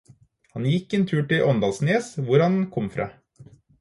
Han gikk en tur til Åndalsnes, hvor han kom fra.